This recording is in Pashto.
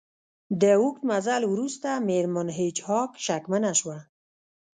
د اوږد مزل وروسته میرمن هیج هاګ شکمنه شوه